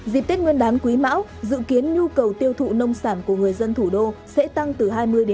dịp tết nguyên đán quý mão dự kiến nhu cầu tiêu thụ nông sản của người dân thủ đô sẽ tăng từ hai mươi ba mươi